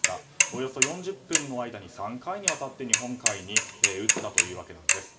およそ４０分の間に３回にわたって日本海に撃ったというわけなんです。